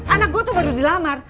anak gue tuh baru dilamar